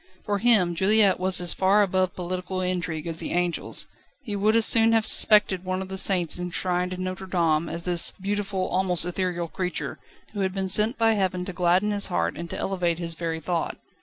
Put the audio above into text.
For him Juliette was as far above political intrigue as the angels. He would as soon have suspected one of the saints enshrined in Notre Dame as this beautiful, almost ethereal creature, who had been sent by Heaven to gladden his heart and to elevate his very thought.